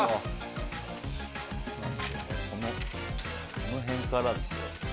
この辺からですよ。